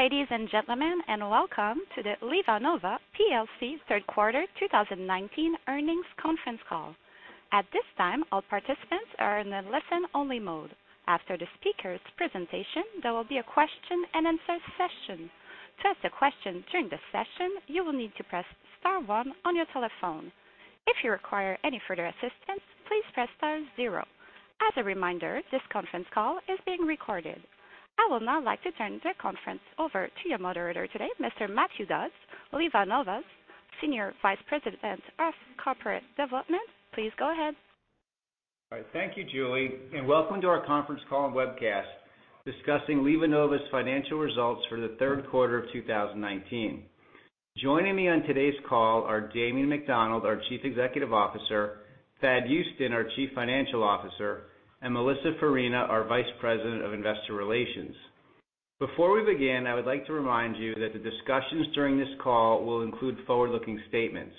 Good day, ladies and gentlemen, and welcome to the LivaNova PLC third quarter 2019 earnings conference call. At this time, all participants are in a listen-only mode. After the speakers' presentation, there will be a question and answer session. To ask a question during the session, you will need to press star one on your telephone. If you require any further assistance, please press star zero. As a reminder, this conference call is being recorded. I will now like to turn the conference over to your moderator today, Mr. Matthew Dodds, LivaNova's Senior Vice President of Corporate Development. Please go ahead. All right. Thank you, Julie, and welcome to our conference call and webcast discussing LivaNova's financial results for the third quarter of 2019. Joining me on today's call are Damien McDonald, our Chief Executive Officer, Thad Huston, our Chief Financial Officer, and Melissa Farina, our Vice President of Investor Relations. Before we begin, I would like to remind you that the discussions during this call will include forward-looking statements.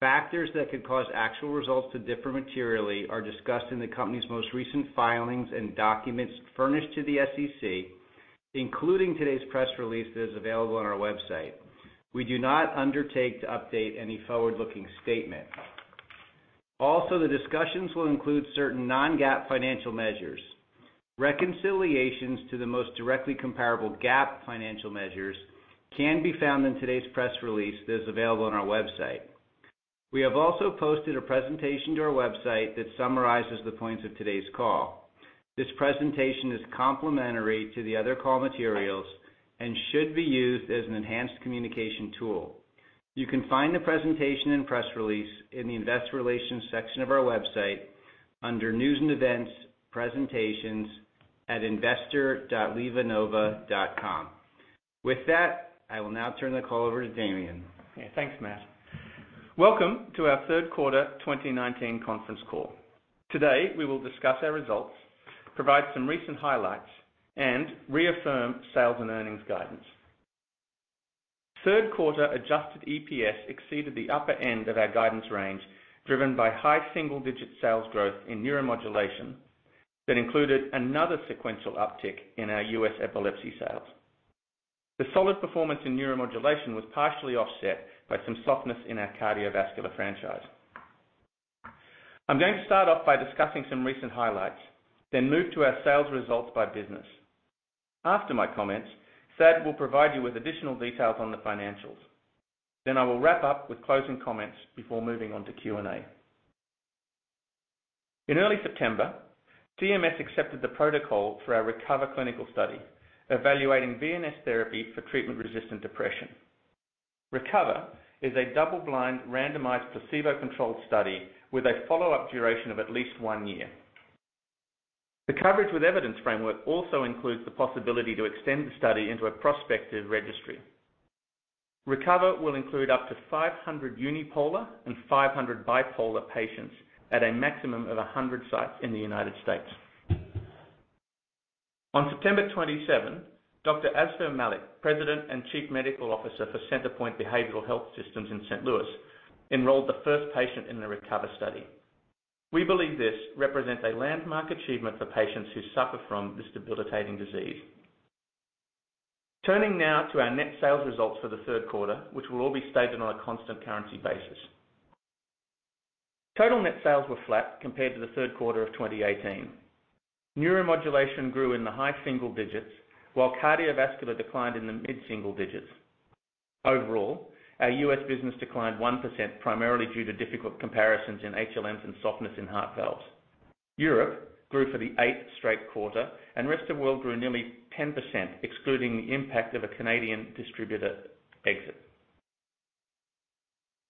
Factors that could cause actual results to differ materially are discussed in the company's most recent filings and documents furnished to the SEC, including today's press release that is available on our website. We do not undertake to update any forward-looking statement. Also, the discussions will include certain non-GAAP financial measures. Reconciliations to the most directly comparable GAAP financial measures can be found in today's press release that is available on our website. We have also posted a presentation to our website that summarizes the points of today's call. This presentation is complementary to the other call materials and should be used as an enhanced communication tool. You can find the presentation and press release in the investor relations section of our website under News and Events, Presentations at investor.livanova.com. With that, I will now turn the call over to Damien. Okay. Thanks, Matt. Welcome to our third quarter 2019 conference call. Today, we will discuss our results, provide some recent highlights, and reaffirm sales and earnings guidance. Third quarter adjusted EPS exceeded the upper end of our guidance range, driven by high single-digit sales growth in neuromodulation that included another sequential uptick in our U.S. epilepsy sales. The solid performance in neuromodulation was partially offset by some softness in our cardiovascular franchise. I'm going to start off by discussing some recent highlights, then move to our sales results by business. After my comments, Thad will provide you with additional details on the financials. I will wrap up with closing comments before moving on to Q&A. In early September, CMS accepted the protocol for our RECOVER clinical study, evaluating VNS Therapy for treatment-resistant depression. RECOVER is a double-blind, randomized, placebo-controlled study with a follow-up duration of at least one year. The coverage with evidence framework also includes the possibility to extend the study into a prospective registry. RECOVER will include up to 500 unipolar and 500 bipolar patients at a maximum of 100 sites in the United States. On September 27, Dr. Azfar Malik, President and Chief Medical Officer for CenterPointe Behavioral Health System in St. Louis, enrolled the first patient in the RECOVER study. We believe this represents a landmark achievement for patients who suffer from this debilitating disease. Turning now to our net sales results for the third quarter, which will all be stated on a constant currency basis. Total net sales were flat compared to the third quarter of 2018. Neuromodulation grew in the high single digits, while cardiovascular declined in the mid-single digits. Overall, our U.S. business declined 1% primarily due to difficult comparisons in HLMs and softness in heart valves. Europe grew for the eighth straight quarter, and rest of world grew nearly 10%, excluding the impact of a Canadian distributor exit.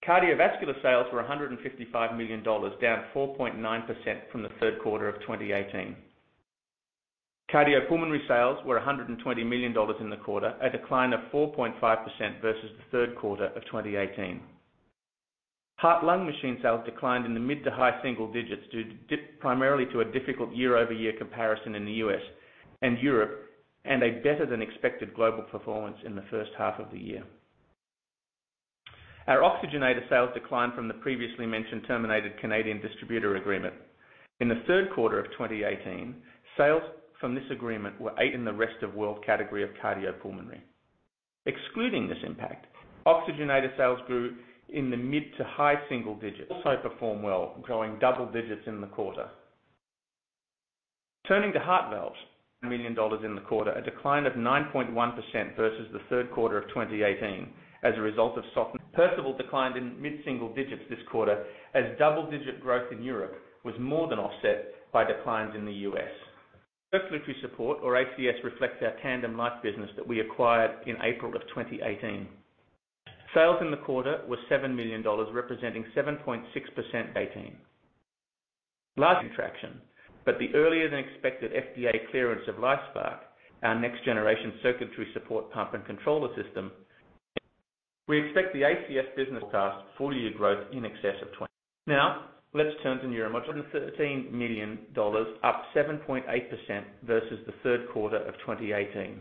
Cardiovascular sales were $155 million, down 4.9% from the third quarter of 2018. Cardiopulmonary sales were $120 million in the quarter, a decline of 4.5% versus the third quarter of 2018. Heart-lung machine sales declined in the mid to high single digits due primarily to a difficult year-over-year comparison in the U.S. and Europe and a better-than-expected global performance in the first half of the year. Our oxygenator sales declined from the previously mentioned terminated Canadian distributor agreement. In the third quarter of 2018, sales from this agreement were $8 million in the rest of world category of Cardiopulmonary. Excluding this impact, oxygenator sales grew in the mid to high single digits. Also perform well, growing double digits in the quarter. Turning to heart valves. Million dollars in the quarter, a decline of 9.1% versus the third quarter of 2018 as a result of Perceval declined in mid-single digits this quarter as double-digit growth in Europe was more than offset by declines in the U.S. Circulatory support, or ACS, reflects our TandemLife business that we acquired in April of 2018. Sales in the quarter were $7 million, representing 7.6% in 2018. Last interaction. The earlier-than-expected FDA clearance of LifeSPARC, our next-generation circulatory support pump and controller system. We expect the ACS business to full-year growth in excess of 20%. Let's turn to neuromodulation. $113 million, up 7.8% versus the third quarter of 2018.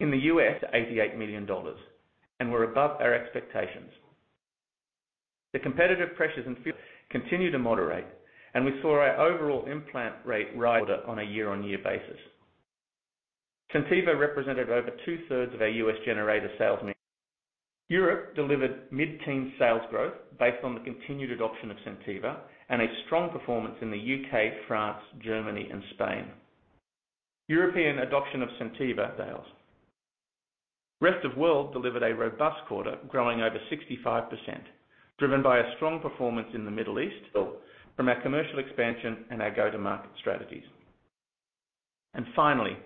In the U.S., $88 million. We're above our expectations. The competitive pressures in field continue to moderate. We saw our overall implant rate rise quarter on a year-on-year basis. SenTiva represented over two-thirds of our U.S. generator sales mix. Europe delivered mid-teen sales growth based on the continued adoption of SenTiva and a strong performance in the U.K., France, Germany, and Spain. European adoption of SenTiva sales. Rest of World delivered a robust quarter, growing over 65%, driven by a strong performance in the Middle East from our commercial expansion and our go-to-market strategies. Finally,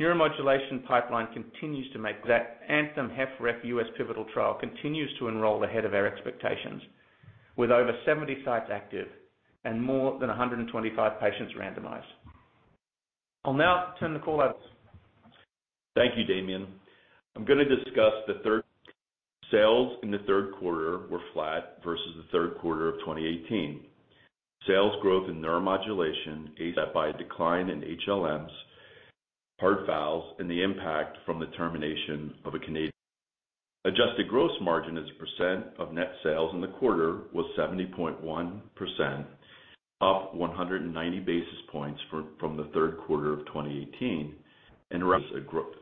neuromodulation pipeline continues to make that ANTHEM-HF rep U.S. pivotal trial continues to enroll ahead of our expectations, with over 70 sites active and more than 125 patients randomized. I'll now turn the call over. Thank you, Damien. I'm going to discuss the third. Sales in the third quarter were flat versus the third quarter of 2018. Sales growth in neuromodulation, offset by a decline in HLMs, heart valves, and the impact from the termination of a Canadian. Adjusted gross margin as a percent of net sales in the quarter was 70.1%, up 190 basis points from the third quarter of 2018, and our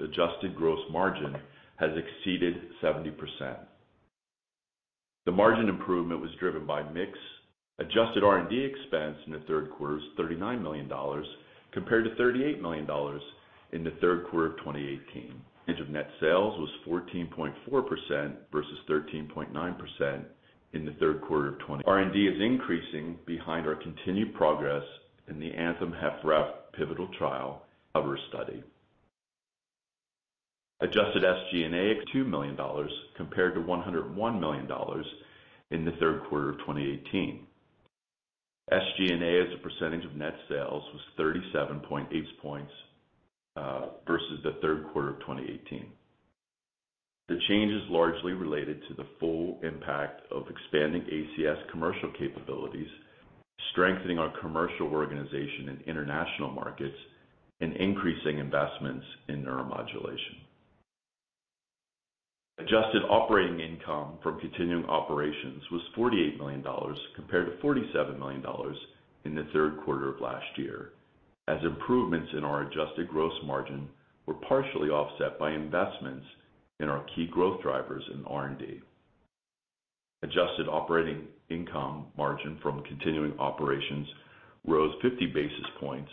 adjusted gross margin has exceeded 70%. The margin improvement was driven by mix. Adjusted R&D expense in the third quarter was $39 million, compared to $38 million in the third quarter of 2018. Of net sales was 14.4% versus 13.9% in the third quarter of 2020. R&D is increasing behind our continued progress in the ANTHEM-HFrEF pivotal trial RECOVER study. Adjusted SG&A of $2 million, compared to $101 million in the third quarter of 2018. SG&A as a percentage of net sales was 37.8 points versus the third quarter of 2018. The change is largely related to the full impact of expanding ACS commercial capabilities, strengthening our commercial organization in international markets, and increasing investments in neuromodulation. Adjusted operating income from continuing operations was $48 million, compared to $47 million in the third quarter of last year, as improvements in our adjusted gross margin were partially offset by investments in our key growth drivers in R&D. Adjusted operating income margin from continuing operations rose 50 basis points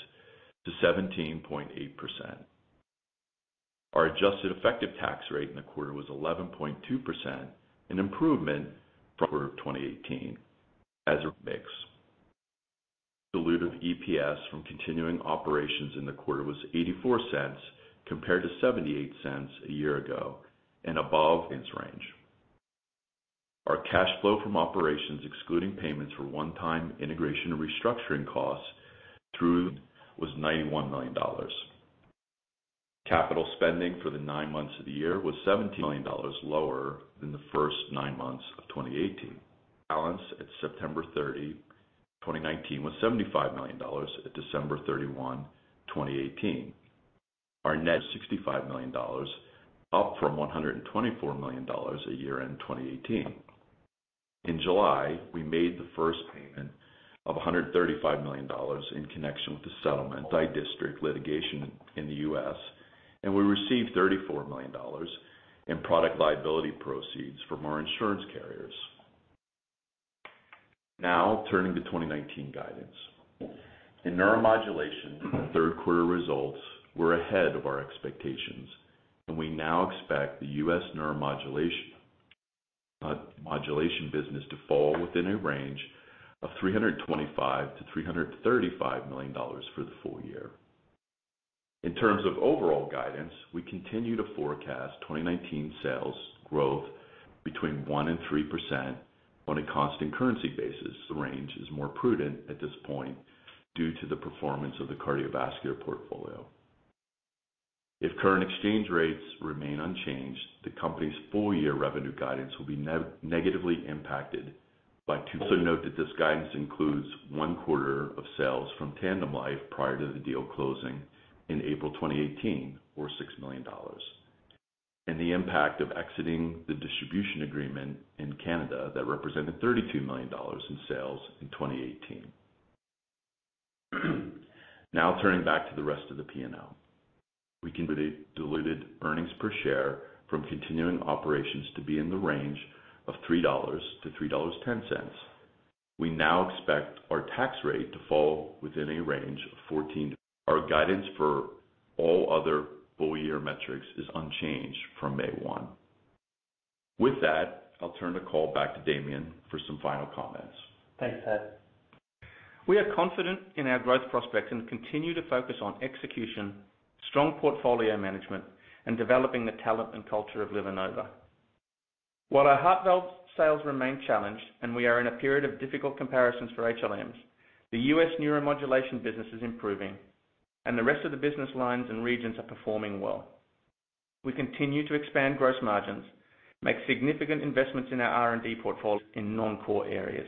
to 17.8%. Our adjusted effective tax rate in the quarter was 11.2%, an improvement from the quarter of 2018 as a mix. Dilutive EPS from continuing operations in the quarter was $0.84, compared to $0.78 a year ago and above range. Our cash flow from operations excluding payments for one-time integration and restructuring costs through was $91 million. Capital spending for the nine months of the year was $17 million lower than the first nine months of 2018. Balance at September 30, 2019, was $75 million at December 31, 2018. Our net was $65 million, up from $124 million a year in 2018. In July, we made the first payment of $135 million in connection with the settlement by district litigation in the U.S., and we received $34 million in product liability proceeds from our insurance carriers. Turning to 2019 guidance. In neuromodulation, the third quarter results were ahead of our expectations, and we now expect the U.S. neuromodulation business to fall within a range of $325 million-$335 million for the full year. In terms of overall guidance, we continue to forecast 2019 sales growth between 1% and 3% on a cost and currency basis. The range is more prudent at this point due to the performance of the cardiovascular portfolio. If current exchange rates remain unchanged, the company's full-year revenue guidance will be negatively impacted by 2%. Note that this guidance includes one quarter of sales from TandemLife prior to the deal closing in April 2018 or $6 million. The impact of exiting the distribution agreement in Canada that represented $32 million in sales in 2018. Turning back to the rest of the P&L. We expect diluted earnings per share from continuing operations to be in the range of $3 to $3.10. We now expect our tax rate to fall within a range of 14 to. Our guidance for all other full-year metrics is unchanged from May 1. With that, I'll turn the call back to Damien for some final comments. Thanks, Thad. We are confident in our growth prospects and continue to focus on execution, strong portfolio management, and developing the talent and culture of LivaNova. While our heart valve sales remain challenged and we are in a period of difficult comparisons for HLMs, the U.S. neuromodulation business is improving, and the rest of the business lines and regions are performing well. We continue to expand gross margins, make significant investments in our R&D portfolio in non-core areas.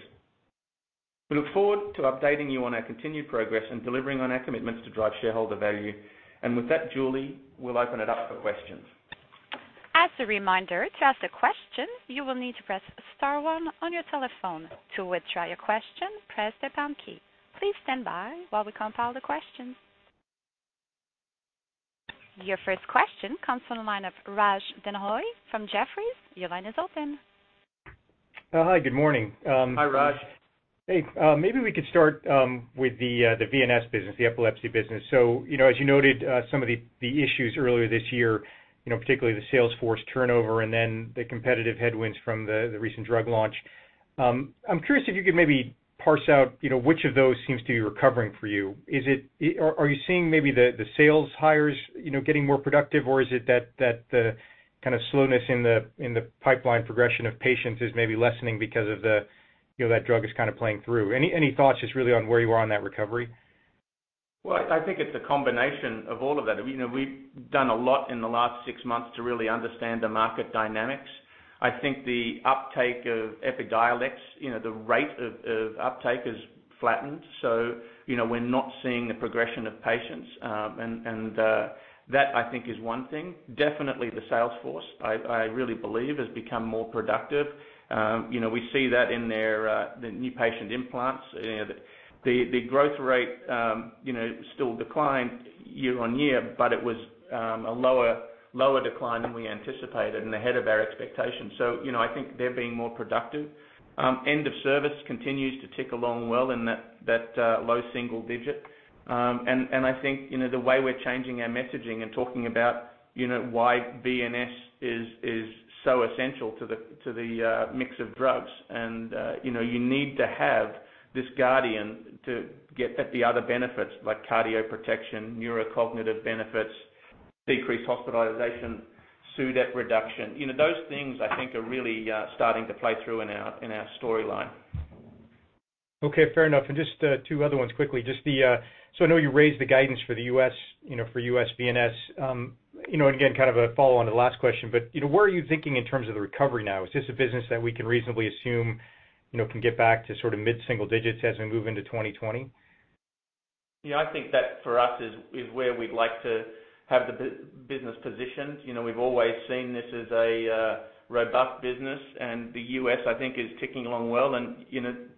We look forward to updating you on our continued progress and delivering on our commitments to drive shareholder value. With that, Julie, we'll open it up for questions. As a reminder, to ask a question, you will need to press star 1 on your telephone. To withdraw your question, press the pound key. Please stand by while we compile the questions. Your first question comes from the line of Raj Denhoy from Jefferies. Your line is open. Hi, good morning. Hi, Raj. Hey. Maybe we could start with the VNS business, the epilepsy business. As you noted, some of the issues earlier this year, particularly the sales force turnover and then the competitive headwinds from the recent drug launch. I'm curious if you could maybe parse out which of those seems to be recovering for you. Are you seeing maybe the sales hires getting more productive, or is it that the kind of slowness in the pipeline progression of patients is maybe lessening because of that drug is kind of playing through? Any thoughts just really on where you are on that recovery? Well, I think it's a combination of all of that. We've done a lot in the last six months to really understand the market dynamics. I think the uptake of EPIDIOLEX, the rate of uptake, has flattened. We're not seeing the progression of patients, and that I think is one thing. Definitely the sales force, I really believe, has become more productive. We see that in their new patient implants. The growth rate still declined year-on-year, it was a lower decline than we anticipated and ahead of our expectations. I think they're being more productive. End of service continues to tick along well in that low single digit. I think the way we're changing our messaging and talking about why VNS is so essential to the mix of drugs, and you need to have this guardian to get at the other benefits like cardio protection, neurocognitive benefits, decreased hospitalization, SUDEP reduction. Those things, I think, are really starting to play through in our storyline. Okay. Fair enough. Just two other ones quickly. I know you raised the guidance for U.S. VNS. Again, kind of a follow-on to the last question, where are you thinking in terms of the recovery now? Is this a business that we can reasonably assume can get back to sort of mid-single digits as we move into 2020? Yeah, I think that for us is where we'd like to have the business positioned. We've always seen this as a robust business, and the U.S., I think, is ticking along well.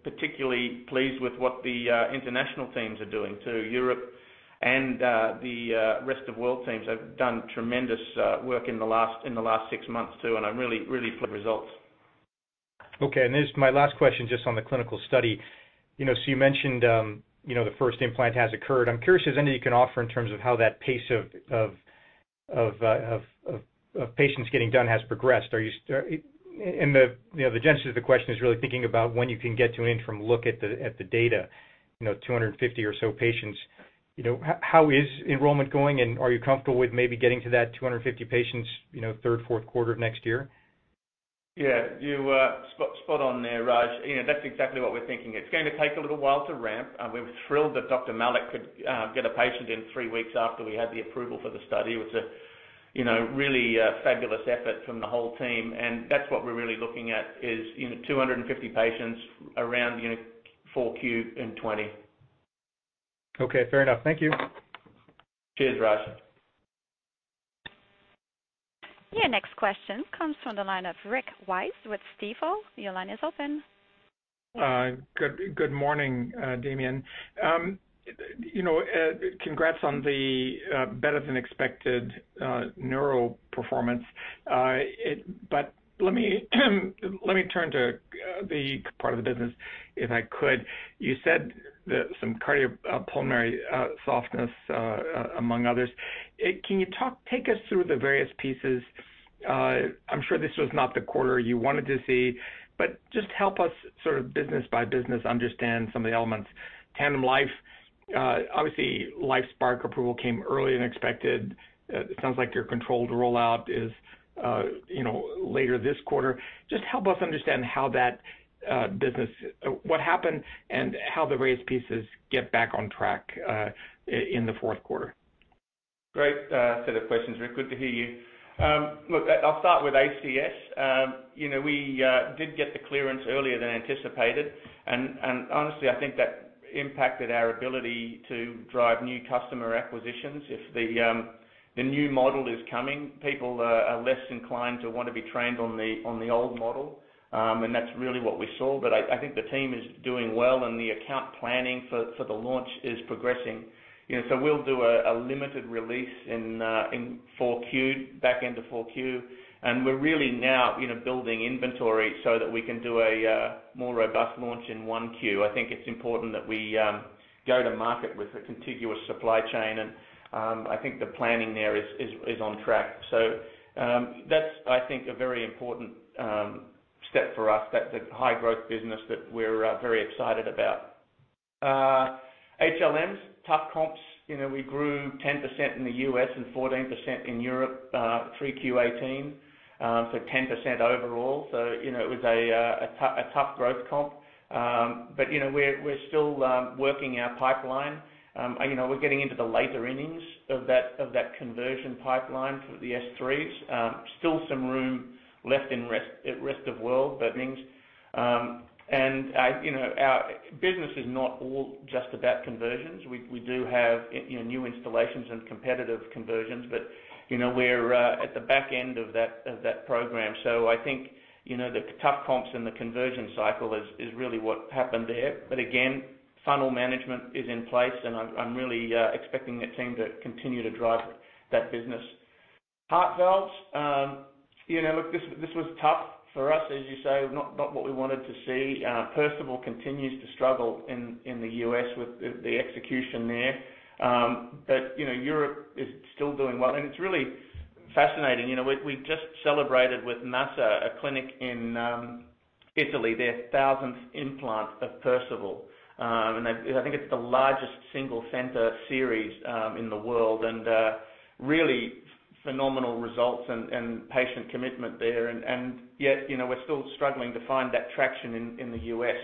Particularly pleased with what the international teams are doing too. Europe and the rest of world teams have done tremendous work in the last six months too, and I'm really pleased with the results. Okay. My last question, just on the clinical study. You mentioned the first implant has occurred. I am curious if there is anything you can offer in terms of how that pace of patients getting done has progressed. The genesis of the question is really thinking about when you can get to an interim look at the data, 250 or so patients. How is enrollment going, and are you comfortable with maybe getting to that 250 patients third, fourth quarter of next year? Yeah. You're spot on there, Raj. That's exactly what we're thinking. It's going to take a little while to ramp. We were thrilled that Dr. Malik could get a patient in three weeks after we had the approval for the study, which was a really fabulous effort from the whole team. That's what we're really looking at, is 250 patients around 4Q in 2020. Okay. Fair enough. Thank you. Cheers, Raj. Your next question comes from the line of Rick Wise with Stifel. Your line is open. Good morning, Damien. Congrats on the better-than-expected neural performance. Let me turn to the part of the business, if I could. You said some cardiopulmonary softness, among others. Can you take us through the various pieces? I'm sure this was not the quarter you wanted to see, but just help us sort of business by business understand some of the elements. TandemLife, obviously, LifeSPARC approval came earlier than expected. It sounds like your controlled rollout is later this quarter. Just help us understand what happened and how the raised pieces get back on track in the fourth quarter. Great set of questions, Rick. Good to hear you. Look, I'll start with ACS. We did get the clearance earlier than anticipated, and honestly, I think that impacted our ability to drive new customer acquisitions. If the new model is coming, people are less inclined to want to be trained on the old model, and that's really what we saw. I think the team is doing well, and the account planning for the launch is progressing. We'll do a limited release back into 4Q, and we're really now building inventory so that we can do a more robust launch in 1Q. I think it's important that we go to market with a contiguous supply chain, and I think the planning there is on track. That's, I think, a very important step for us. That's a high growth business that we're very excited about. HLMs, tough comps. We grew 10% in the U.S. and 14% in Europe through Q18, 10% overall. It was a tough growth comp. We're still working our pipeline. We're getting into the later innings of that conversion pipeline for the S3. Still some room left in rest of world, that means. Our business is not all just about conversions. We do have new installations and competitive conversions. We're at the back end of that program. I think, the tough comps and the conversion cycle is really what happened there. Again, funnel management is in place, and I'm really expecting the team to continue to drive that business. Heart valves. Look, this was tough for us, as you say, not what we wanted to see. Perceval continues to struggle in the U.S. with the execution there. Europe is still doing well. It's really fascinating. We just celebrated with Massa, a clinic in Italy, their 1,000th implant of Perceval. I think it's the largest single center series in the world, and really phenomenal results and patient commitment there. Yet, we're still struggling to find that traction in the U.S.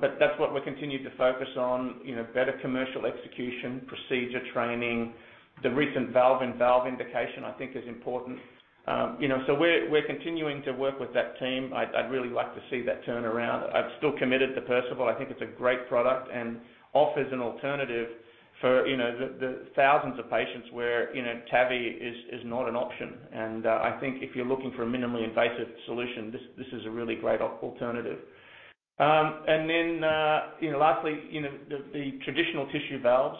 That's what we're continuing to focus on, better commercial execution, procedure training. The recent valve and valve indication, I think, is important. We're continuing to work with that team. I'd really like to see that turn around. I'm still committed to Perceval. I think it's a great product and offers an alternative for the thousands of patients where TAVI is not an option. I think if you're looking for a minimally invasive solution, this is a really great alternative. Then lastly, the traditional tissue valves,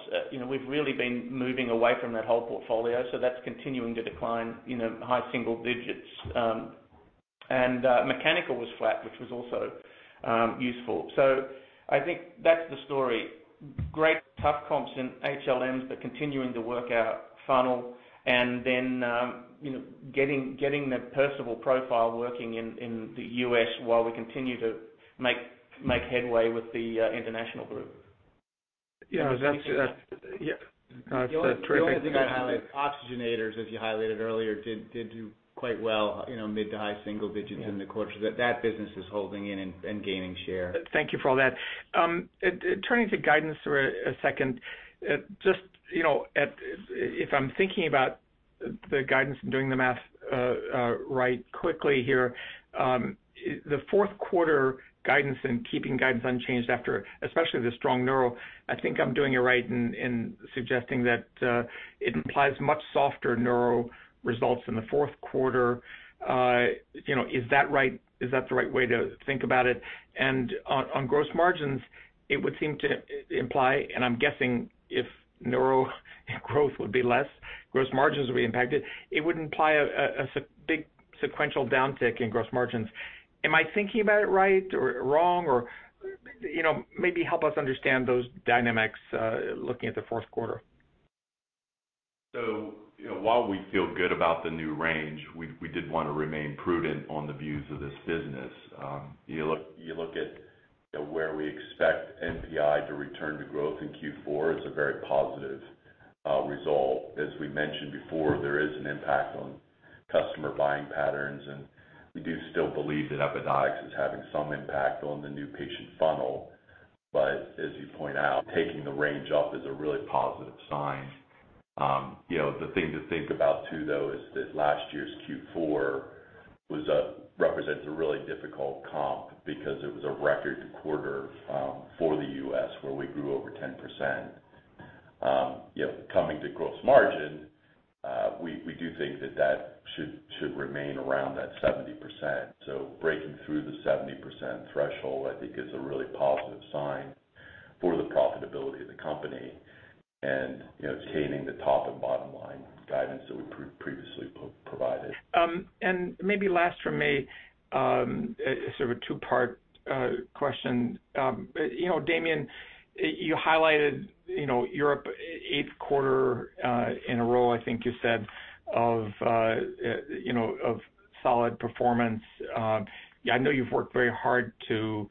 we've really been moving away from that whole portfolio, that's continuing to decline high single digits. Mechanical was flat, which was also useful. I think that's the story. Great tough comps in HLMs, but continuing to work our funnel and then getting the Perceval profile working in the U.S. while we continue to make headway with the international group. Yeah. That's terrific. The only thing I'd highlight, oxygenators, as you highlighted earlier, did do quite well, mid to high single digits in the quarter. That business is holding in and gaining share. Thank you for all that. Turning to guidance for a second. If I'm thinking about the guidance and doing the math right quickly here, the fourth quarter guidance and keeping guidance unchanged after, especially the strong Neuro, I think I'm doing it right in suggesting that it implies much softer Neuro results in the fourth quarter. Is that the right way to think about it? On gross margins, it would seem to imply, and I'm guessing if Neuro growth would be less, gross margins would be impacted. It would imply a big sequential downtick in gross margins. Am I thinking about it right or wrong? Maybe help us understand those dynamics looking at the fourth quarter. While we feel good about the new range, we did want to remain prudent on the views of this business. You look at where we expect NPI to return to growth in Q4 is a very positive result. As we mentioned before, there is an impact on customer buying patterns, and we do still believe that EPIDIOLEX is having some impact on the new patient funnel. As you point out, taking the range up is a really positive sign. The thing to think about too, though, is that last year's Q4 represents a really difficult comp because it was a record quarter for the U.S., where we grew over 10%. Coming to gross margin, we do think that that should remain around that 70%. Breaking through the 70% threshold, I think, is a really positive sign for the profitability of the company and maintaining the top and bottom line guidance that we previously provided. Maybe last from me, sort of a two-part question. Damien, you highlighted Europe, eighth quarter in a row, I think you said, of solid performance. I know you've worked very hard to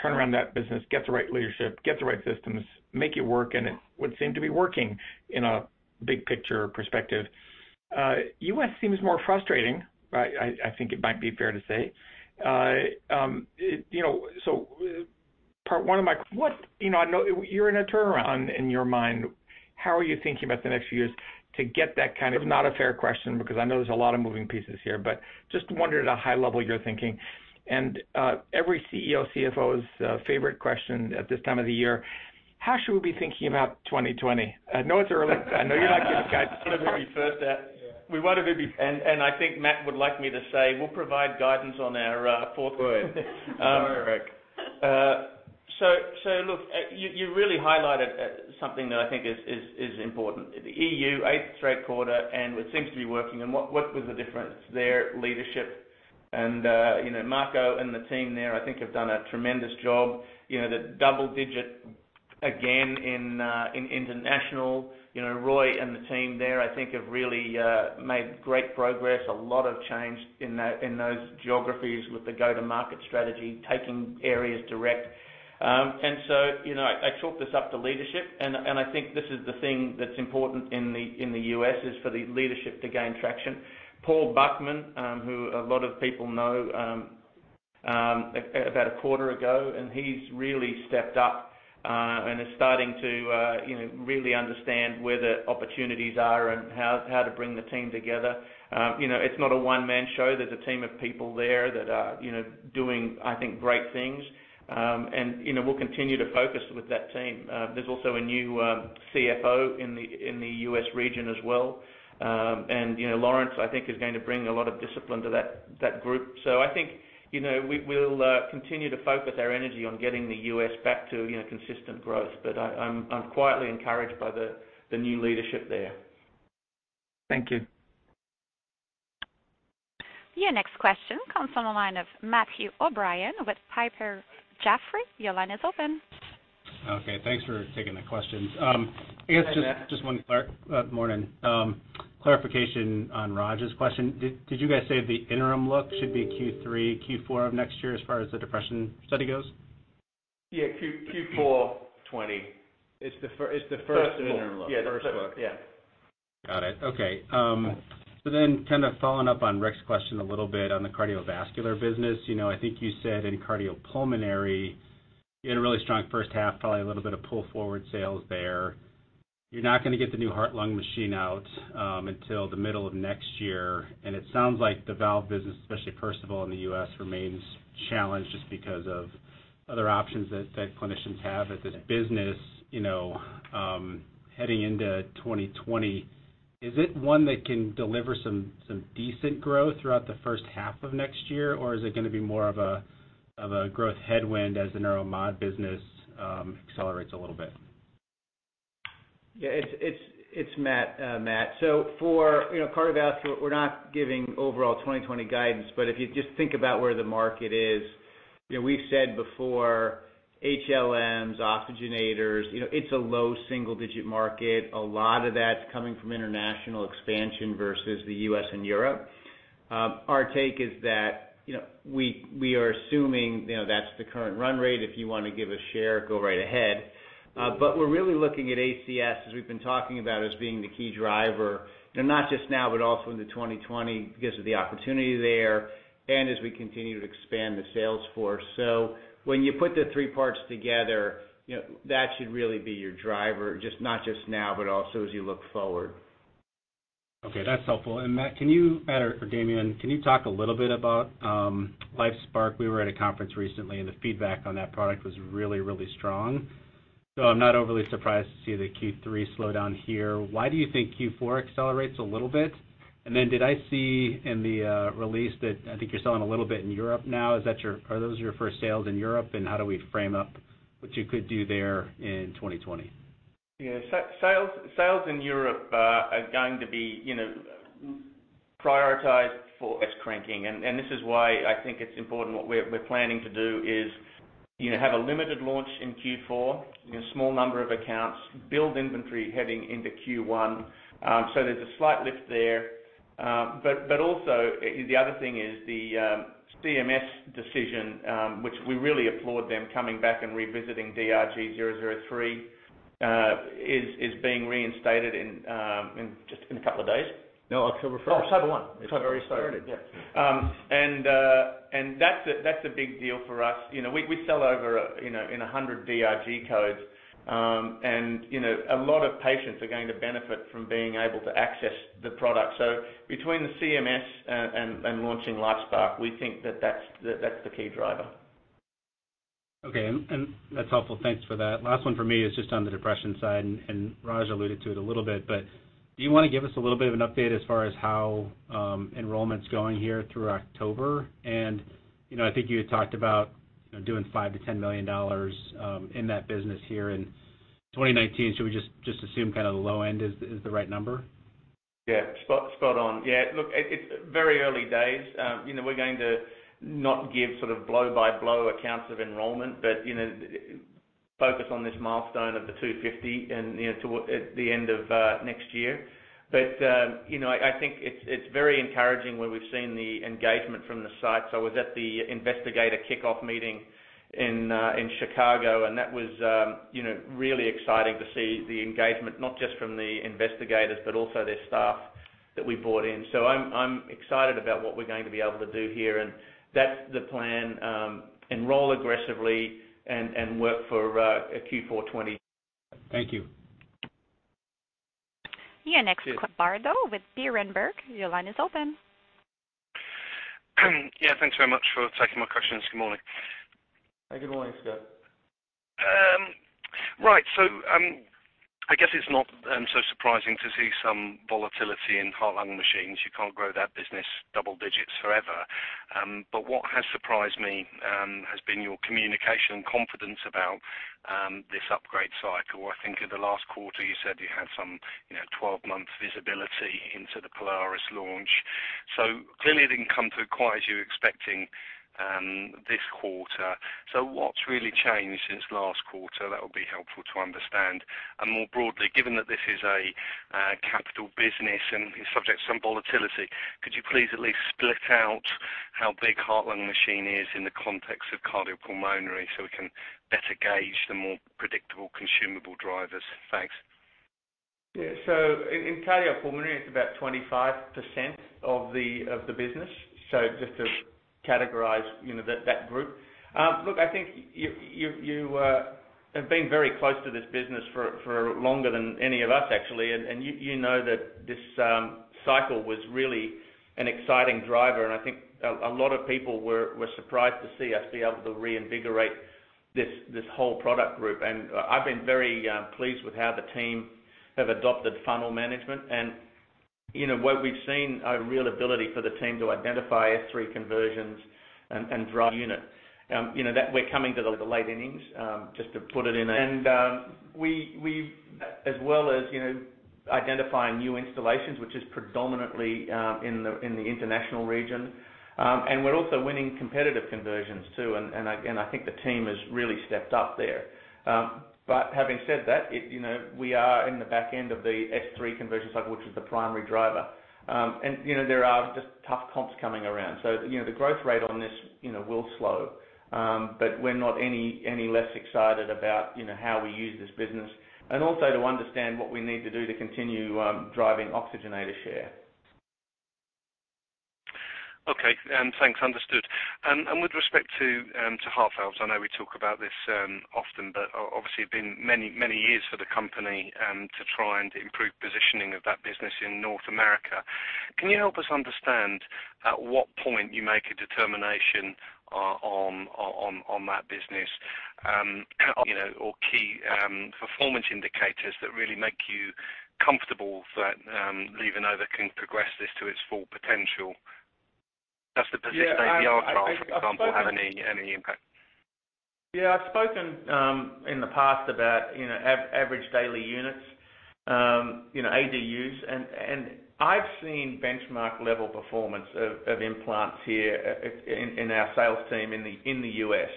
turn around that business, get the right leadership, get the right systems, make it work, and it would seem to be working in a big picture perspective. U.S. seems more frustrating, I think it might be fair to say. I know you're in a turnaround in your mind. How are you thinking about the next few years to get? Not a fair question, because I know there's a lot of moving pieces here, but just wondered at a high level your thinking. Every CEO, CFO's favorite question at this time of the year, how should we be thinking about 2020? I know it's early. I know you're not giving guidance. We want to be first there. Yeah. I think Matt would like me to say we'll provide guidance on our fourth quarter. Good. Sorry, Rick. Look, you really highlighted something that I think is important. The EU, eighth straight quarter, and what seems to be working and what was the difference there, leadership Marco and the team there, I think have done a tremendous job. The double digit, again, in international. Roy and the team there, I think have really made great progress. A lot of change in those geographies with the go-to-market strategy, taking areas direct. I chalked this up to leadership, and I think this is the thing that's important in the U.S., is for the leadership to gain traction. Paul Buckman, who a lot of people know, about a quarter ago, and he's really stepped up and is starting to really understand where the opportunities are and how to bring the team together. It's not a one-man show. There's a team of people there that are doing, I think, great things. We'll continue to focus with that team. There's also a new CFO in the U.S. region as well. Lawrence, I think, is going to bring a lot of discipline to that group. I think, we'll continue to focus our energy on getting the U.S. back to consistent growth. I'm quietly encouraged by the new leadership there. Thank you. Your next question comes from the line of Matthew O'Brien with Piper Jaffray. Your line is open. Okay. Thanks for taking the questions. Hey, Matt. Morning. Clarification on Raj's question. Did you guys say the interim look should be Q3, Q4 of next year as far as the depression study goes? Yeah. Q4 2020. It's the first look. First interim look. Yeah, the first look. Yeah. Got it. Okay. Kind of following up on Rick's question a little bit on the cardiovascular business. I think you said in cardiopulmonary, you had a really strong first half, probably a little bit of pull-forward sales there. You're not going to get the new heart-lung machine out until the middle of next year. It sounds like the valve business, especially first of all in the U.S., remains challenged just because of other options that clinicians have at this business heading into 2020. Is it one that can deliver some decent growth throughout the first half of next year? Or is it going to be more of a growth headwind as the Neuromod business accelerates a little bit? Yeah. It's Matt. For cardiovascular, we're not giving overall 2020 guidance, but if you just think about where the market is, we've said before HLMs, oxygenators, it's a low single-digit market. A lot of that's coming from international expansion versus the U.S. and Europe. Our take is that, we are assuming that's the current run rate. If you want to give a share, go right ahead. We're really looking at ACS, as we've been talking about, as being the key driver. Not just now, but also into 2020 because of the opportunity there, and as we continue to expand the sales force. When you put the three parts together, that should really be your driver. Not just now, but also as you look forward. Okay, that's helpful. Matt or Damien, can you talk a little bit about LifeSPARC? We were at a conference recently, the feedback on that product was really strong. I'm not overly surprised to see the Q3 slowdown here. Why do you think Q4 accelerates a little bit? Did I see in the release that I think you're selling a little bit in Europe now. Are those your first sales in Europe? How do we frame up what you could do there in 2020? Yeah. Sales in Europe are going to be prioritized for S5 cranking. This is why I think it's important what we're planning to do is have a limited launch in Q4, in a small number of accounts. Build inventory heading into Q1. There's a slight lift there. Also, the other thing is the CMS decision, which we really applaud them coming back and revisiting DRG 003, is being reinstated in just a couple of days. No, October first. October 1. It's already started, yeah. That's a big deal for us. We sell over in 100 DRG codes. A lot of patients are going to benefit from being able to access the product. Between the CMS, and launching LifeSPARC, we think that that's the key driver. Okay. That's helpful. Thanks for that. Last one for me is just on the depression side. Raj alluded to it a little bit. Do you want to give us a little bit of an update as far as how enrollment's going here through October? I think you had talked about doing $5 million to $10 million in that business here in 2019. Should we just assume kind of the low end is the right number? Yeah. Spot on. Yeah, look, it's very early days. We're going to not give sort of blow-by-blow accounts of enrollment, but focus on this milestone of the 250 at the end of next year. I think it's very encouraging where we've seen the engagement from the site. I was at the investigator kickoff meeting in Chicago, and that was really exciting to see the engagement, not just from the investigators, but also their staff that we brought in. I'm excited about what we're going to be able to do here, and that's the plan, enroll aggressively and work for a Q4 2020. Thank you. Your next question, Bardo with Berenburg Your line is open. Yeah. Thanks very much for taking my questions. Good morning. Hey, good morning, Scott. Right. I guess it's not so surprising to see some volatility in heart-lung machines. You can't grow that business double digits forever. What has surprised me has been your communication confidence about this upgrade cycle. I think in the last quarter, you said you had some 12-month visibility into the Polaris launch. Clearly, it didn't come through quite as you were expecting this quarter. What's really changed since last quarter? That would be helpful to understand. More broadly, given that this is a capital business and is subject to some volatility, could you please at least split out how big heart-lung machine is in the context of cardiopulmonary so we can better gauge the more predictable consumable drivers? Thanks. Yeah. In cardiopulmonary, it's about 25% of the business. Just to categorize that group. Look, I think you have been very close to this business for longer than any of us, actually. You know that this cycle was really an exciting driver, and I think a lot of people were surprised to see us be able to reinvigorate this whole product group. I've been very pleased with how the team have adopted funnel management. What we've seen, a real ability for the team to identify S3 conversions and drive units. We're coming to the late innings. We've, as well as identifying new installations, which is predominantly in the international region. We're also winning competitive conversions, too. I think the team has really stepped up there. Having said that, we are in the back end of the S3 conversion cycle, which is the primary driver. There are just tough comps coming around. The growth rate on this will slow, but we're not any less excited about how we use this business and also to understand what we need to do to continue driving oxygenator share. Okay. Thanks. Understood. With respect to heart valves, I know we talk about this often, but obviously, it's been many years for the company to try and improve positioning of that business in North America. Can you help us understand at what point you make a determination on that business? Key performance indicators that really make you comfortable that LivaNova can progress this to its full potential. Does the PERSIST-AVR trial, for example, have any impact? Yeah, I've spoken in the past about average daily units, ADUs. I've seen benchmark-level performance of implants here in our sales team in the U.S.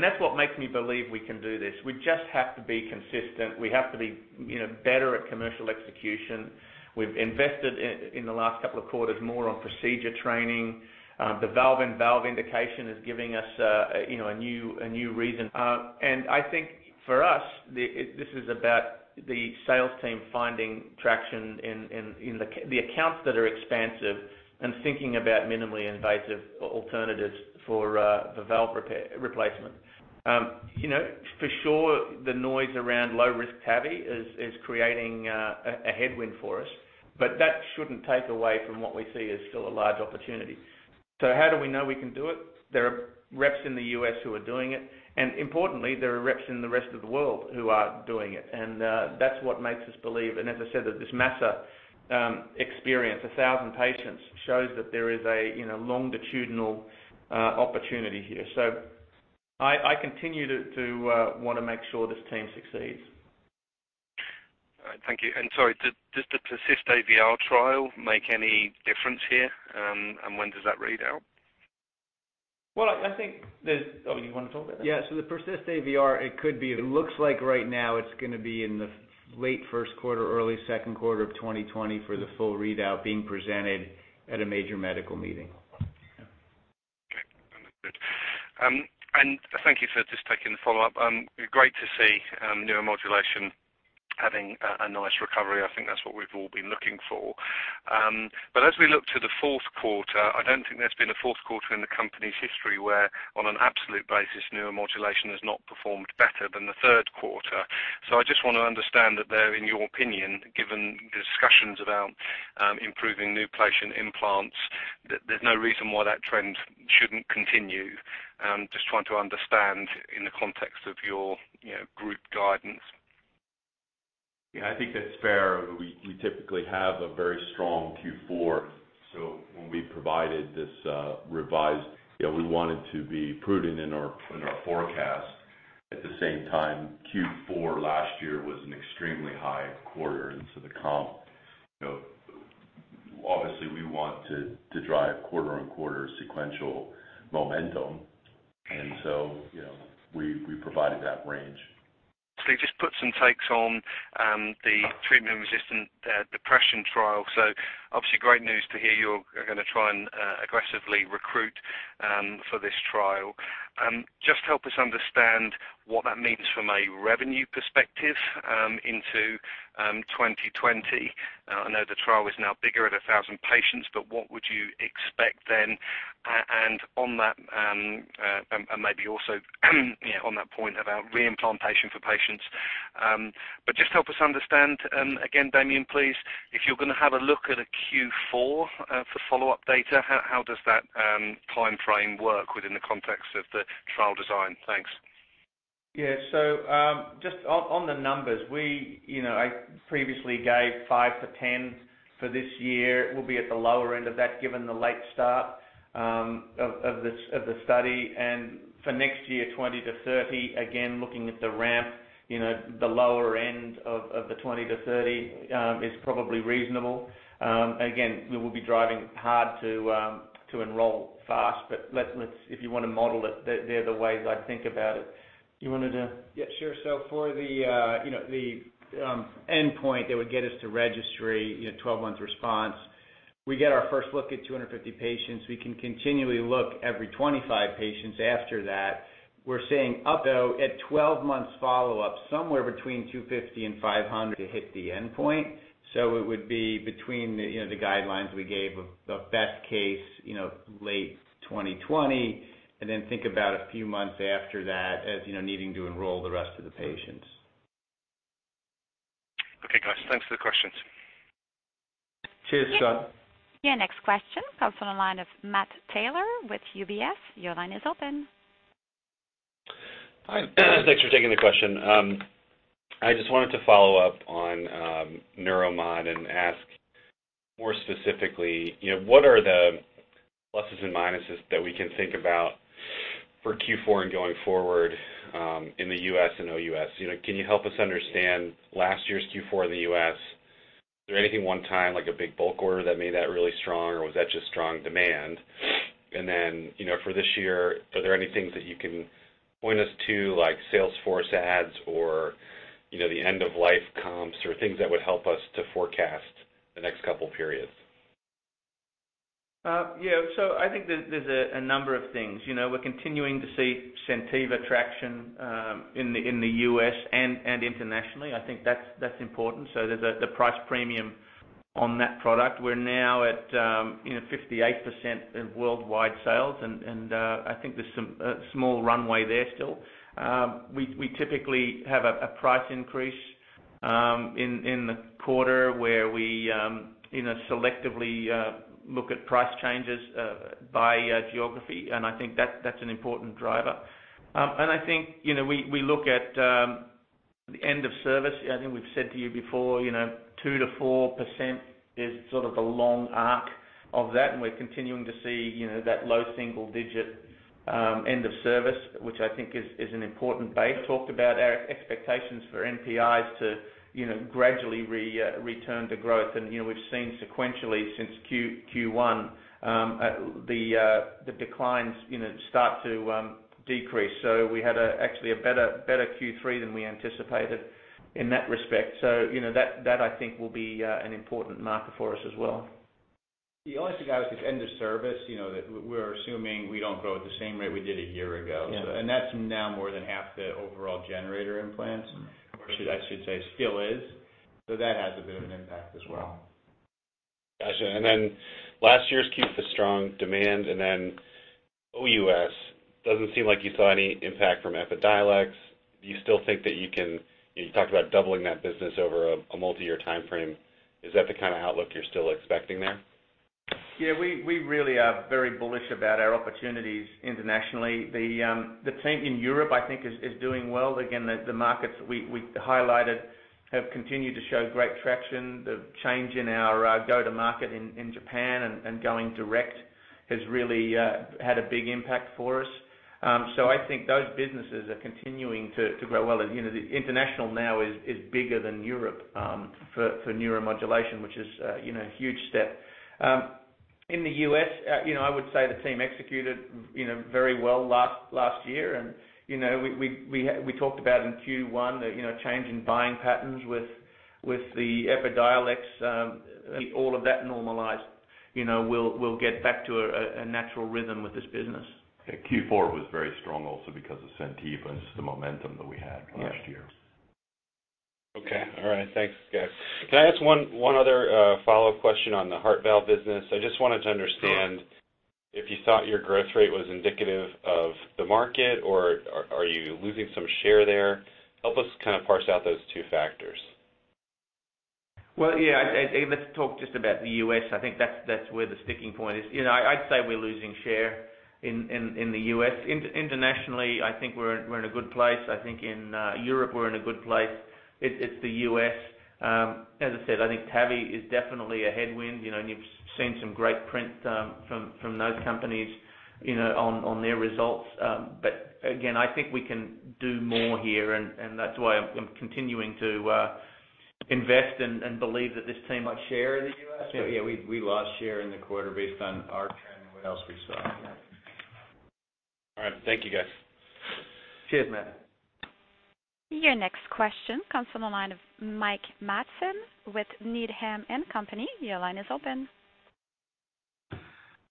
That's what makes me believe we can do this. We just have to be consistent. We have to be better at commercial execution. We've invested, in the last couple of quarters, more on procedure training. The valve-in-valve indication is giving us a new reason. I think for us, this is about the sales team finding traction in the accounts that are expansive and thinking about minimally invasive alternatives for valve replacement. For sure, the noise around low-risk TAVI is creating a headwind for us. That shouldn't take away from what we see as still a large opportunity. How do we know we can do it? There are reps in the U.S. who are doing it. Importantly, there are reps in the rest of the world who are doing it. That's what makes us believe. As I said, that this Massa experience, 1,000 patients, shows that there is a longitudinal opportunity here. I continue to want to make sure this team succeeds. All right. Thank you. Sorry, does the PERSIST-AVR trial make any difference here? When does that read out? Well, oh, you want to talk about that? Yeah. The PERSIST-AVR, it looks like right now it's going to be in the late first quarter, early second quarter of 2020 for the full readout being presented at a major medical meeting. Okay. Understood. Thank you for just taking the follow-up. Great to see neuromodulation having a nice recovery. I think that's what we've all been looking for. As we look to the fourth quarter, I don't think there's been a fourth quarter in the company's history where, on an absolute basis, neuromodulation has not performed better than the third quarter. I just want to understand that there, in your opinion, given discussions about improving new patient implants, there's no reason why that trend shouldn't continue. Just trying to understand in the context of your group guidance. Yeah, I think that's fair. We typically have a very strong Q4. When we provided this revised, we wanted to be prudent in our forecast. At the same time, Q4 last year was an extremely high quarter. The comp, obviously, we want to drive quarter-on-quarter sequential momentum. We provided that range. Steve, just put some takes on the treatment-resistant depression trial. Obviously, great news to hear you're going to try and aggressively recruit for this trial. Just help us understand what that means from a revenue perspective into 2020. I know the trial is now bigger at 1,000 patients, what would you expect then? Maybe also on that point about re-implantation for patients. Just help us understand again, Damien, please, if you're going to have a look at a Q4 for follow-up data, how does that timeframe work within the context of the trial design? Thanks. Yeah. Just on the numbers, I previously gave 5-10 for this year. We'll be at the lower end of that, given the late start of the study. For next year, 20-30. Again, looking at the ramp, the lower end of the 20-30 is probably reasonable. Again, we will be driving hard to enroll fast. If you want to model it, they're the ways I think about it. You wanted to? Yeah, sure. For the endpoint that would get us to registry, 12 months response. We get our first look at 250 patients. We can continually look every 25 patients after that. We're seeing up though at 12 months follow-up, somewhere between 250 and 500 hit the endpoint. It would be between the guidelines we gave of best case, late 2020, and then think about a few months after that as needing to enroll the rest of the patients. Okay, guys. Thanks for the questions. Cheers, Scott. Yeah. Next question comes from the line of Matt Taylor with UBS. Your line is open. Hi. Thanks for taking the question. I just wanted to follow up on Neuromod and ask more specifically, what are the pluses and minuses that we can think about for Q4 and going forward, in the U.S. and OUS? Can you help us understand last year's Q4 in the U.S.? Is there anything one-time, like a big bulk order that made that really strong, or was that just strong demand? For this year, are there any things that you can point us to, like Salesforce ads or the end-of-life comps or things that would help us to forecast the next couple periods? Yeah. I think there's a number of things. We're continuing to see SenTiva traction in the U.S. and internationally. I think that's important. There's a price premium on that product. We're now at 58% of worldwide sales, and I think there's some small runway there still. We typically have a price increase in the quarter, where we selectively look at price changes by geography, and I think that's an important driver. I think we look at the end of service. I think we've said to you before, 2%-4% is sort of the long arc of that, and we're continuing to see that low single-digit end of service, which I think is an important base. Talked about our expectations for NPIs to gradually return to growth. We've seen sequentially since Q1, the declines start to decrease. We had actually a better Q3 than we anticipated in that respect. That I think will be an important market for us as well. The only thing I would say is end of service, that we're assuming we don't grow at the same rate we did a year ago. Yeah. That's now more than half the overall generator implants, or I should say, still is. That has a bit of an impact as well. Got you. Last year's Q4 strong demand and then OUS, doesn't seem like you saw any impact from Epidiolex. Do you still think that? You talked about doubling that business over a multi-year timeframe. Is that the kind of outlook you're still expecting there? Yeah, we really are very bullish about our opportunities internationally. The team in Europe, I think, is doing well. The markets we highlighted have continued to show great traction. The change in our go-to-market in Japan and going direct has really had a big impact for us. I think those businesses are continuing to grow well, and the international now is bigger than Europe, for neuromodulation, which is a huge step. In the U.S., I would say the team executed very well last year. We talked about in Q1 the change in buying patterns with the EPIDIOLEX. All of that normalized. We'll get back to a natural rhythm with this business. Okay. Q4 was very strong also because of SenTiva and just the momentum that we had last year. Yeah. Okay. All right. Thanks, guys. Can I ask one other follow-up question on the heart valve business? I just wanted to understand if you thought your growth rate was indicative of the market, or are you losing some share there? Help us kind of parse out those two factors. Well, yeah. Let's talk just about the U.S. I think that's where the sticking point is. I'd say we're losing share in the U.S. Internationally, I think we're in a good place. I think in Europe we're in a good place. It's the U.S. As I said, I think TAVI is definitely a headwind, and you've seen some great print from those companies on their results. Again, I think we can do more here, and that's why I'm continuing to invest and believe that this team. Lost share in the U.S. Yeah, we lost share in the quarter based on our trend and what else we saw. All right. Thank you, guys. Cheers, Matt. Your next question comes from the line of Mike Matson with Needham & Company. Your line is open.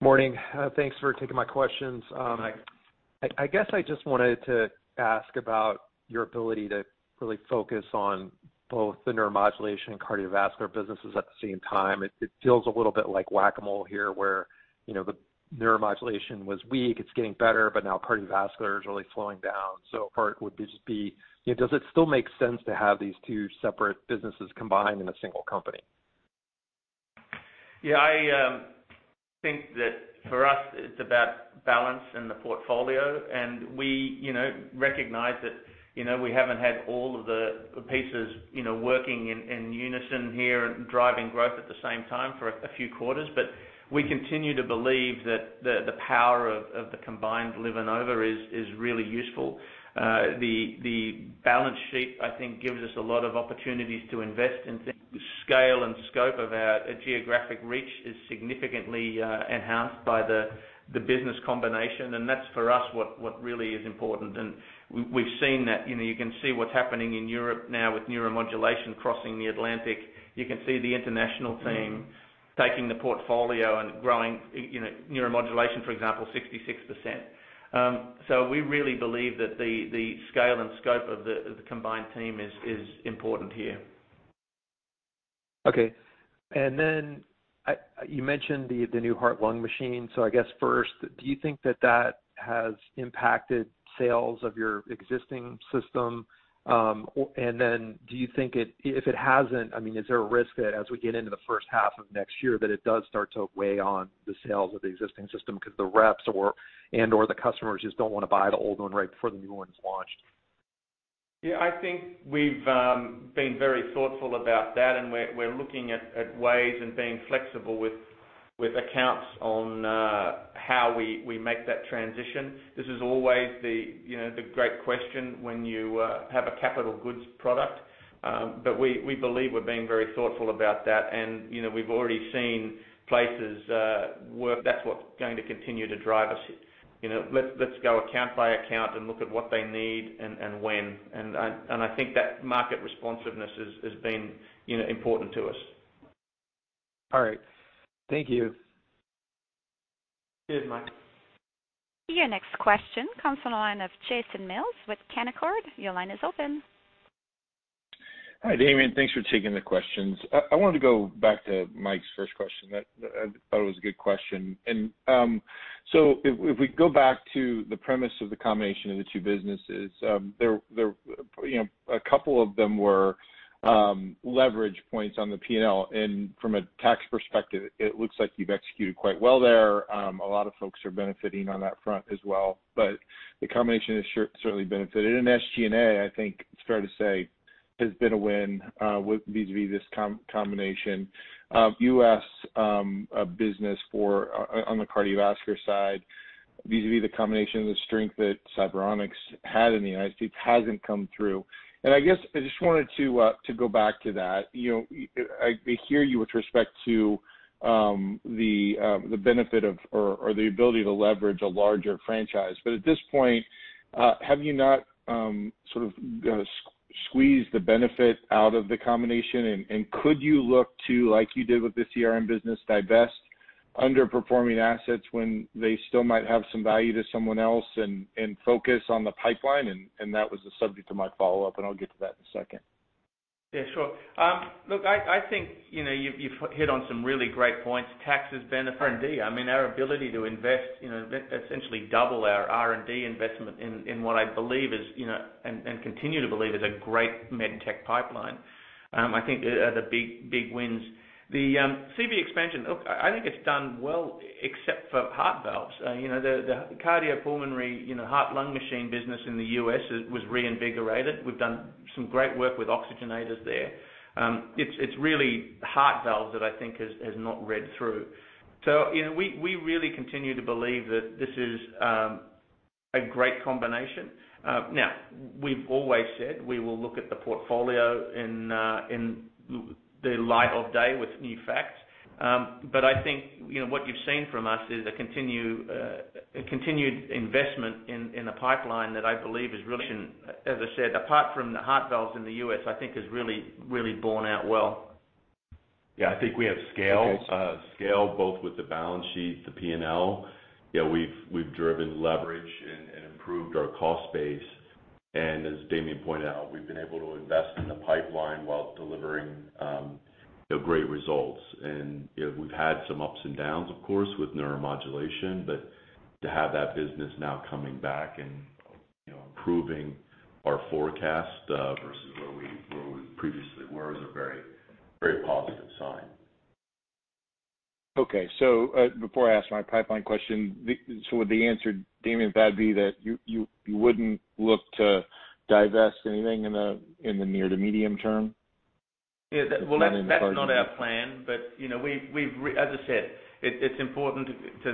Morning. Thanks for taking my questions. Hi, Mike. I guess I just wanted to ask about your ability to really focus on both the neuromodulation and cardiovascular businesses at the same time. It feels a little bit like Whac-A-Mole here, where the neuromodulation was weak, it's getting better, but now cardiovascular is really slowing down. Part would just be, does it still make sense to have these two separate businesses combined in a single company? I think that for us, it's about balance in the portfolio. We recognize that we haven't had all of the pieces working in unison here and driving growth at the same time for a few quarters. We continue to believe that the power of the combined LivaNova is really useful. The balance sheet, I think, gives us a lot of opportunities to invest in things. The scale and scope of our geographic reach is significantly enhanced by the business combination. That's, for us, what really is important. We've seen that. You can see what's happening in Europe now with neuromodulation crossing the Atlantic. You can see the international team taking the portfolio and growing neuromodulation, for example, 66%. We really believe that the scale and scope of the combined team is important here. Okay. You mentioned the new heart-lung machine. I guess first, do you think that that has impacted sales of your existing system? Do you think if it hasn't, is there a risk that as we get into the first half of next year, that it does start to weigh on the sales of the existing system because the reps and/or the customers just don't want to buy the old one right before the new one's launched? Yeah, I think we've been very thoughtful about that, and we're looking at ways of being flexible with accounts on how we make that transition. This is always the great question when you have a capital goods product. We believe we're being very thoughtful about that, and we've already seen places where that's what's going to continue to drive us. Let's go account by account and look at what they need and when. I think that market responsiveness has been important to us. All right. Thank you. Cheers, Mike. Your next question comes from the line of Jason Mills with Canaccord. Your line is open. Hi, Damien. Thanks for taking the questions. I wanted to go back to Mike's first question. I thought it was a good question. If we go back to the premise of the combination of the two businesses, a couple of them were leverage points on the P&L, and from a tax perspective, it looks like you've executed quite well there. A lot of folks are benefiting on that front as well. The combination has certainly benefited. SG&A, I think it's fair to say, has been a win vis-à-vis this combination. U.S. business on the cardiovascular side, vis-à-vis the combination of the strength that Cyberonics had in the United States hasn't come through. I guess I just wanted to go back to that. I hear you with respect to the benefit of or the ability to leverage a larger franchise. At this point, have you not sort of squeezed the benefit out of the combination? Could you look to, like you did with the CRM business, divest underperforming assets when they still might have some value to someone else and focus on the pipeline? That was the subject of my follow-up, and I'll get to that in a second. Yeah, sure. Look, I think you've hit on some really great points. Tax has been a friend. Our ability to invest, essentially double our R&D investment in what I believe is, and continue to believe is a great med tech pipeline. I think the big wins. The CV expansion. Look, I think it's done well except for heart valves. The cardiopulmonary heart-lung machine business in the U.S. was reinvigorated. We've done some great work with oxygenators there. It's really heart valves that I think has not read through. We really continue to believe that this is a great combination. Now, we've always said we will look at the portfolio in the light of day with new facts. I think what you've seen from us is a continued investment in the pipeline that I believe is really, as I said, apart from the heart valves in the U.S., I think has really borne out well. Yeah. I think we have scale, both with the balance sheet, the P&L. We've driven leverage and improved our cost base. As Damien pointed out, we've been able to invest in the pipeline while delivering great results. We've had some ups and downs, of course, with neuromodulation, but to have that business now coming back and improving our forecast, versus where we previously were is a very positive sign. Okay. Before I ask my pipeline question, so would the answer, Damien, to that be that you wouldn't look to divest anything in the near to medium term? Yeah. Well, that's not our plan. As I said, it's important to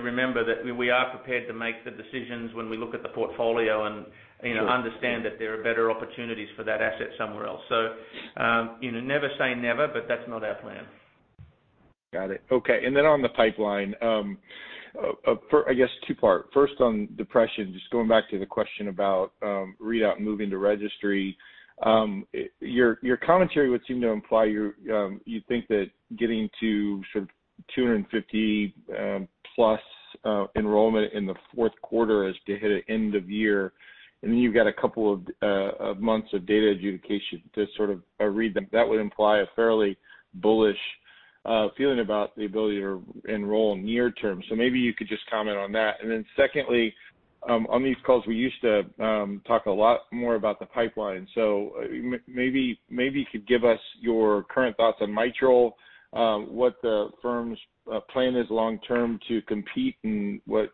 remember that we are prepared to make the decisions when we look at the portfolio and understand that there are better opportunities for that asset somewhere else. Never say never, but that's not our plan. Got it. Okay. On the pipeline, I guess two-part. First on depression, just going back to the question about readout moving to registry. Your commentary would seem to imply you think that getting to sort of 250-plus enrollment in the fourth quarter as to hit at end of year, and then you've got a couple of months of data adjudication to sort of read them. That would imply a fairly bullish feeling about the ability to enroll near term. Secondly, on these calls, we used to talk a lot more about the pipeline. Maybe you could give us your current thoughts on mitral, what the firm's plan is long term to compete and what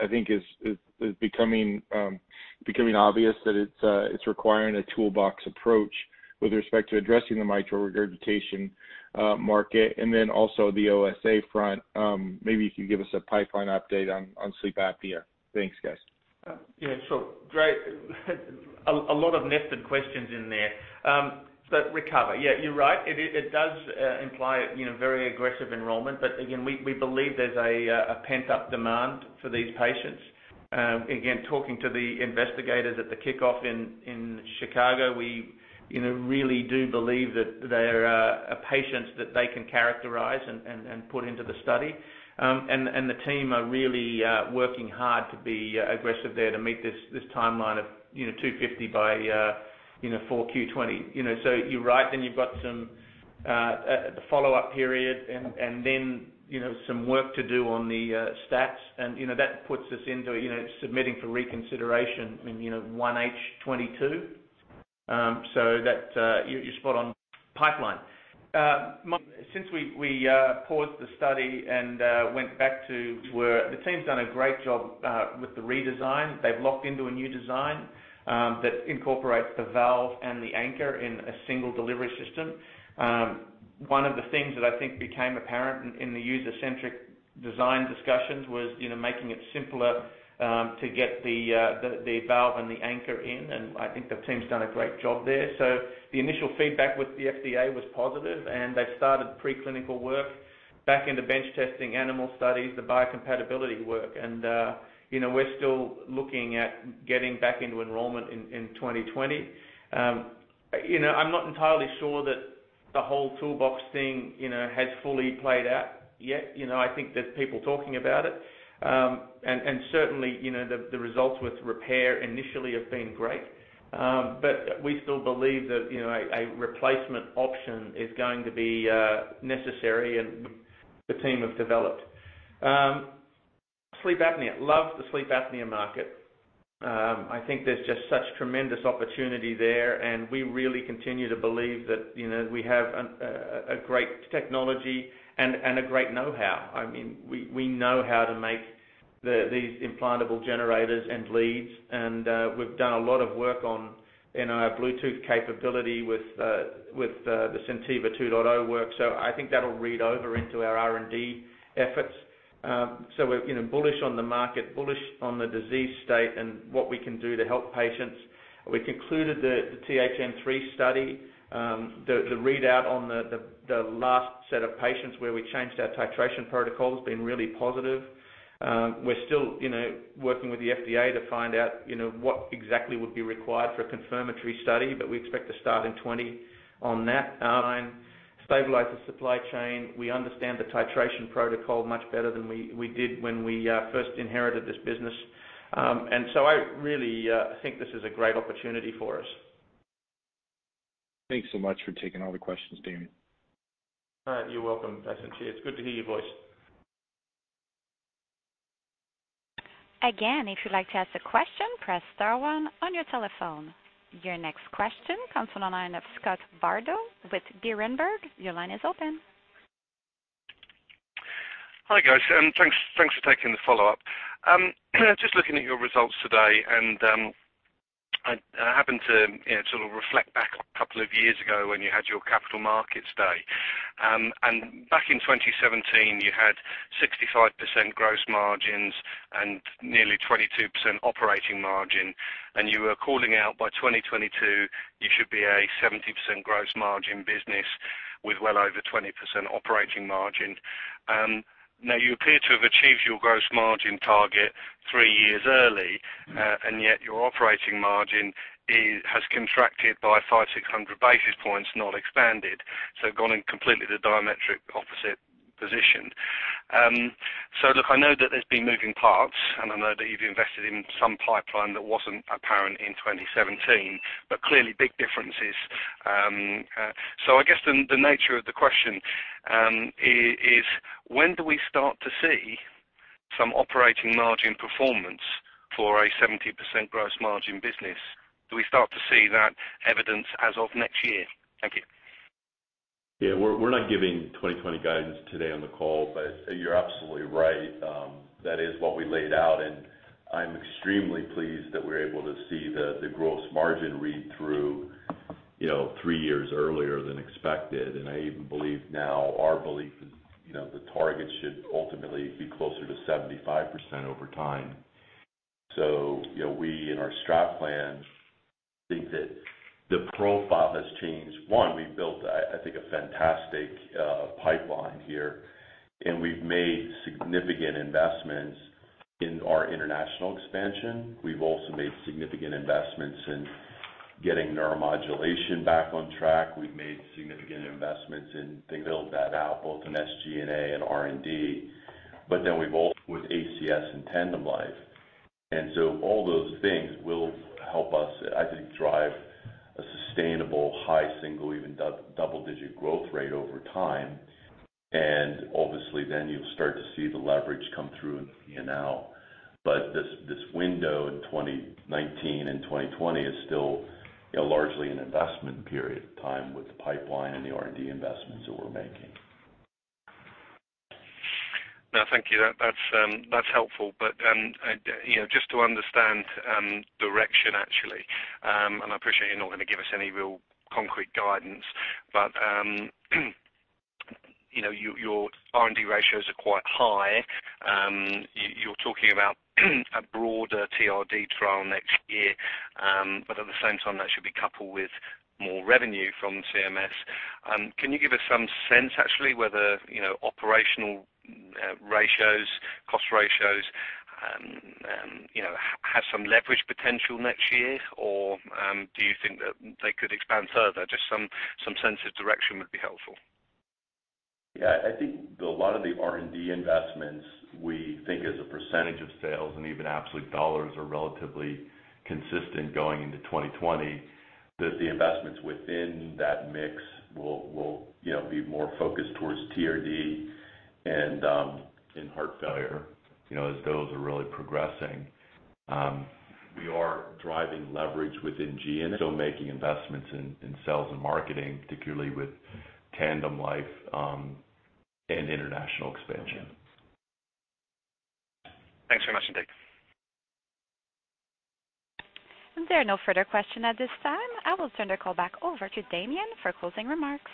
I think is becoming obvious, that it's requiring a toolbox approach with respect to addressing the mitral regurgitation market. Also the OSA front. Maybe you could give us a pipeline update on sleep apnea. Thanks, guys. Yeah, sure. Great. A lot of nested questions in there. RECOVER, yeah, you're right. It does imply very aggressive enrollment. Again, we believe there's a pent-up demand for these patients. Again, talking to the investigators at the kickoff in Chicago, we really do believe that there are patients that they can characterize and put into the study. The team are really working hard to be aggressive there to meet this timeline of 250 by 4Q20. You're right. You've got some follow-up period and then some work to do on the stats. That puts us into submitting for reconsideration in 1H22. You're spot on. Pipeline. Since we paused the study and went back to where the team's done a great job with the redesign. They've locked into a new design that incorporates the valve and the anchor in a single delivery system. One of the things that I think became apparent in the user-centric design discussions was making it simpler to get the valve and the anchor in. I think the team's done a great job there. The initial feedback with the FDA was positive, and they've started preclinical work back into bench testing animal studies, the biocompatibility work. We're still looking at getting back into enrollment in 2020. I'm not entirely sure that the whole toolbox thing has fully played out yet. I think there's people talking about it. Certainly, the results with repair initially have been great. We still believe that a replacement option is going to be necessary and the team have developed. Sleep apnea. Love the sleep apnea market. I think there's just such tremendous opportunity there, and we really continue to believe that we have a great technology and a great know-how. We know how to make these implantable generators and leads. We've done a lot of work on our Bluetooth capability with the SenTiva 2.0 work. I think that'll read over into our R&D efforts. We're bullish on the market, bullish on the disease state and what we can do to help patients. We concluded the THN3 study. The readout on the last set of patients where we changed our titration protocol has been really positive. We're still working with the FDA to find out what exactly would be required for a confirmatory study, but we expect to start in 2020 on that line, stabilize the supply chain. We understand the titration protocol much better than we did when we first inherited this business. I really think this is a great opportunity for us. Thanks so much for taking all the questions, Damien. All right. You're welcome. It's good to hear your voice. Again, if you'd like to ask a question, press star one on your telephone. Your next question comes from the line of Scott Bardo with Berenberg. Your line is open. Hi, guys. Thanks for taking the follow-up. Looking at your results today, I happened to sort of reflect back on a couple of years ago when you had your Capital Markets Day. Back in 2017, you had 65% gross margins and nearly 22% operating margin, and you were calling out by 2022, you should be a 70% gross margin business with well over 20% operating margin. Now you appear to have achieved your gross margin target three years early, and yet your operating margin has contracted by 5-600 basis points, not expanded. Gone in completely the diametric opposite position. Look, I know that there's been moving parts, and I know that you've invested in some pipeline that wasn't apparent in 2017, but clearly big differences. I guess the nature of the question is when do we start to see some operating margin performance for a 70% gross margin business? Do we start to see that evidence as of next year? Thank you. Yeah. We're not giving 2020 guidance today on the call, but you're absolutely right. That is what we laid out, and I'm extremely pleased that we're able to see the gross margin read through three years earlier than expected. I even believe now our belief is the target should ultimately be closer to 75% over time. We, in our strat plan, think that the profile has changed. One, we've built, I think, a fantastic pipeline here, and we've made significant investments in our international expansion. We've also made significant investments in getting neuromodulation back on track. We've made significant investments in build that out, both in SG&A and R&D. We've also with ACS and TandemLife. All those things will help us, I think, drive a sustainable high single, even double-digit growth rate over time. Obviously, then you'll start to see the leverage come through in P&L. This window in 2019 and 2020 is still largely an investment period of time with the pipeline and the R&D investments that we're making. No, thank you. That's helpful. Just to understand direction, actually, and I appreciate you're not going to give us any real concrete guidance, your R&D ratios are quite high. You're talking about a broader TRD trial next year. At the same time, that should be coupled with more revenue from CMS. Can you give us some sense, actually, whether operational ratios, cost ratios have some leverage potential next year? Do you think that they could expand further? Just some sense of direction would be helpful. Yeah, I think a lot of the R&D investments we think as a percentage of sales and even absolute dollars are relatively consistent going into 2020, that the investments within that mix will be more focused towards TRD and in heart failure, as those are really progressing. We are driving leverage within G&A, still making investments in sales and marketing, particularly with TandemLife and international expansion. Thanks very much indeed. There are no further questions at this time. I will turn the call back over to Damien for closing remarks.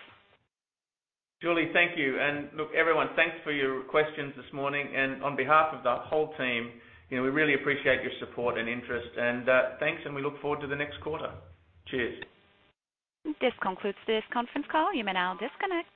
Julie, thank you. Look, everyone, thanks for your questions this morning. On behalf of the whole team, we really appreciate your support and interest, and thanks, and we look forward to the next quarter. Cheers. This concludes this conference call. You may now disconnect.